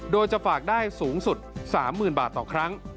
โดยจะฝากได้สูงสุด๓๐๐๐บาทต่อครั้ง